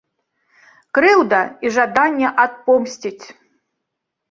Крыўда і жаданне адпомсціць.